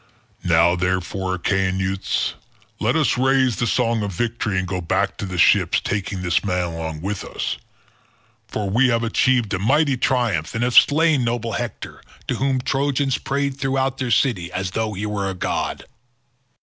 Now, therefore, Achaean youths, let us raise the song of victory and go back to the ships taking this man along with us; for we have achieved a mighty triumph and have slain noble Hector to whom the Trojans prayed throughout their city as though he were a god."